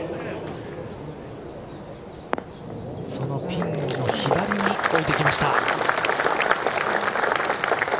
そのピンの左に置いてきました。